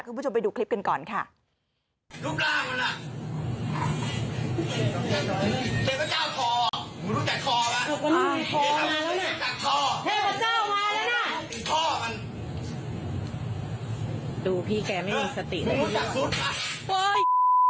ดูพี่แกไม่มีสติเลย